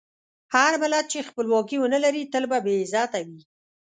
هر ملت چې خپلواکي ونه لري، تل به بې عزته وي.